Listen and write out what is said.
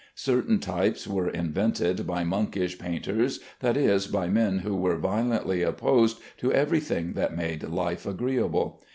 Certain types were invented by monkish painters, that is, by men who were violently opposed to every thing that made life agreeable.